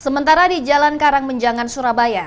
sementara di jalan karang menjangan surabaya